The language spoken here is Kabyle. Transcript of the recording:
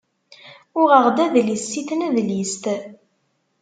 Uɣeɣ-d adlis si tnedlist.